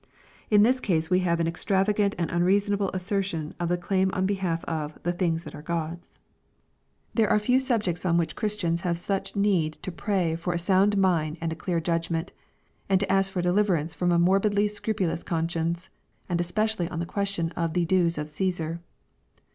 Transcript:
In this case we have an extravagant and unreasonable assetion of the claim on behalf of *' the things that are God's." 3S6 EXPOSITORY THOUGHTS. There are few subjects on which Christians have such needtD pray for a sound mind and a clear judgment, and to ask for deliv erance from a morbidly scrupulous conscience, and especially on the question of the dues of " Caesar."